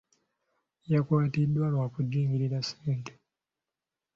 Yakwatiddwa lwa kujingirira ssente.